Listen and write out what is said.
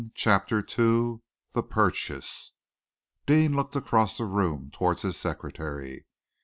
CHAPTER II THE PURCHASE Deane looked across the room towards his secretary.